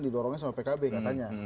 didorongnya sama pkb katanya